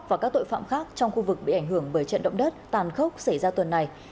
và các tội phạm khác trong khu vực bị ảnh hưởng bởi trận động đất tàn khốc xảy ra tuần này